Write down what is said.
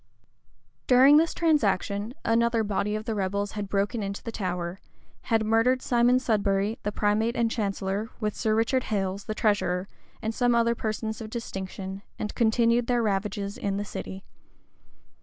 [] During this transaction, another body of the rebels had broken into the Tower; had murdered Simon Sudbury, the primate and chancellor, with Sir Robert Hales, the treasurer, and some other persons of distinction; and continued their ravages in the city.